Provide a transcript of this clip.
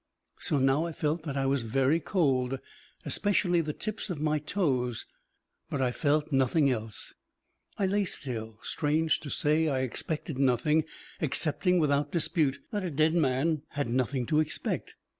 So now I felt that I was very cold, especially the tips of my toes, but I felt nothing else. I lay still, strange to say I expected nothing, accepting without dispute that a dead man had nothing to expect.